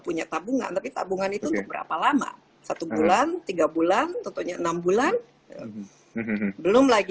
punya tabungan tapi tabungan itu untuk berapa lama satu bulan tiga bulan tentunya enam bulan belum lagi